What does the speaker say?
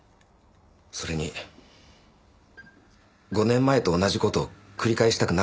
それに５年前と同じ事を繰り返したくなかったんです。